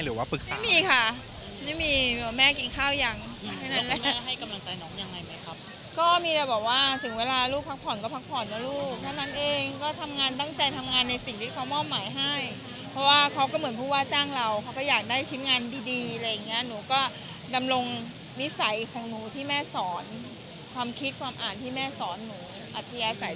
ปรึกษาไม่มีค่ะไม่มีแม่กินข้าวยังแค่นั้นแล้วแม่ให้กำลังใจน้องยังไงไหมครับก็มีแต่บอกว่าถึงเวลาลูกพักผ่อนก็พักผ่อนนะลูกเท่านั้นเองก็ทำงานตั้งใจทำงานในสิ่งที่เขามอบหมายให้เพราะว่าเขาก็เหมือนผู้ว่าจ้างเราเขาก็อยากได้ชิ้นงานดีดีอะไรอย่างเงี้ยหนูก็ดำรงนิสัยของหนูที่แม่สอนความคิดความอ่านที่แม่สอนหนูอัธยาศัย